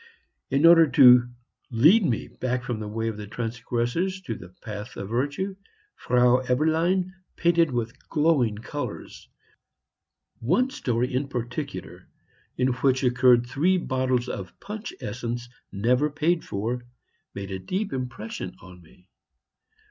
In order to lead me back from the way of the transgressors to the path of virtue, Frau Eberlein painted with glowing colors; one story in particular, in which occurred three bottles of punch essence never paid for, made a deep impression on me.